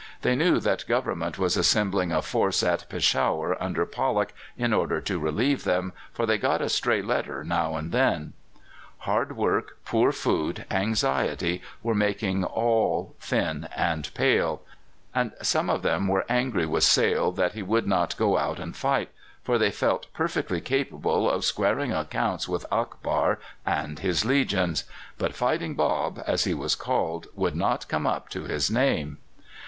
They knew that Government was assembling a force at Peshawar under Pollock in order to relieve them, for they got a stray letter now and then. Hard work, poor food, anxiety, were making all thin and pale; and some of them were angry with Sale that he would not go out and fight, for they felt perfectly capable of squaring accounts with Akbar and his legions; but "Fighting Bob," as he was called, would not come up to his name.